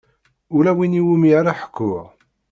Ula win iwumi ara ḥkuɣ.